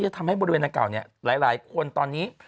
จะทำให้บริเวณอากาศนี้หลายคนตอนนี้